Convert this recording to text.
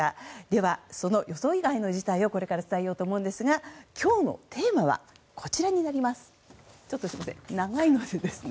では、その予想外の事態をこれから伝えようと思うんですが今日のテーマはこちらになります。